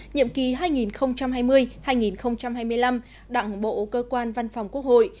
nhiệm kỳ hai nghìn hai mươi hai nghìn hai mươi năm đảng bộ cơ quan văn phòng quốc hội